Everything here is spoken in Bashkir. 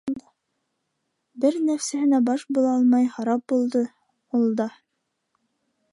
Бер нәфсеһенә баш булалмай харап булды ул да.